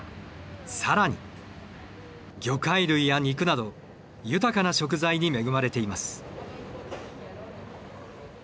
更に魚介類や肉など豊かな食材に恵まれています。